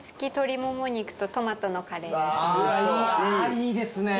いいですね。